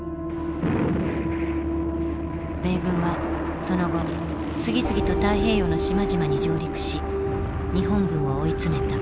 米軍はその後次々と太平洋の島々に上陸し日本軍を追い詰めた。